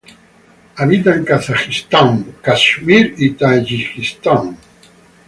Habita en Kazajistán, Kashmir y Tayikistán.